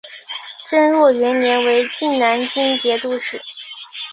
贞佑元年为静难军节度使。